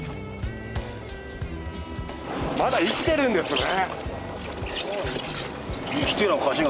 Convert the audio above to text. まだ生きてるんですね。